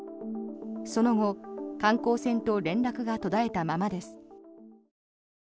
その後、観光船と連絡が途絶えたままです。